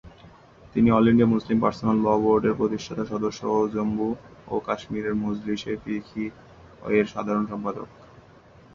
তিনি "All India Muslim Personal Law বোর্ড"-এর প্রতিষ্ঠাতা সদস্য এবং জম্মু ও কাশ্মীরের "মজলিসে ফিকহী"-এর সাধারণ সম্পাদক।